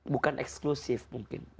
bukan eksklusif mungkin